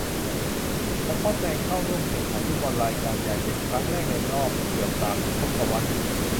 สกอตแลนด์ เข้าร่วมแข่งขันฟุตบอลรายการใหญ่เป็นครั้งแรกในรอบเกือบสามทศวรรษ